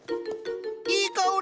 いい香り。